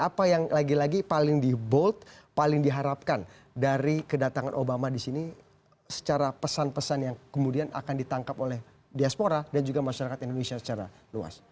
apa yang lagi lagi paling di bold paling diharapkan dari kedatangan obama di sini secara pesan pesan yang kemudian akan ditangkap oleh diaspora dan juga masyarakat indonesia secara luas